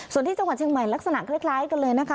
ส่วนที่จังหวัดเชียงใหม่ลักษณะคล้ายกันเลยนะคะ